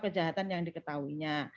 kejahatan yang diketahuinya